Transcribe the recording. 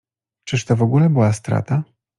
Czyż to w ogóle była strata?